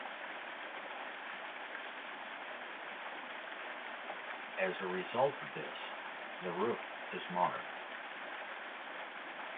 As a result of this, the roof is modern.